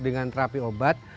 dengan terapi obat